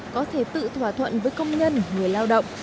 có thể tự thỏa thuận với công nhân người lao động